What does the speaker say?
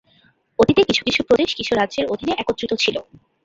অতীতে কিছু কিছু প্রদেশ কিছু রাজ্যের অধীনে একত্রিত ছিল।